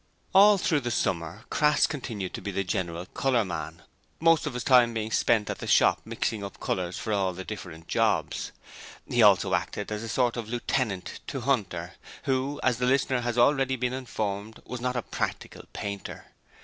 All through the summer Crass continued to be the general 'colour man', most of his time being spent at the shop mixing up colours for all the different 'jobs'. He also acted as a sort of lieutenant to Hunter, who, as the reader has already been informed, was not a practical painter.